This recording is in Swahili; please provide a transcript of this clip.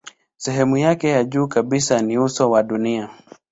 Sehemu yake ya juu kabisa ni uso wa dunia.